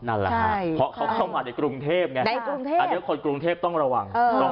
นั่นแหละครับเพราะเขาเข้ามาในกรุงเทพไงอันนี้คนกรุงเทพต้องระวัง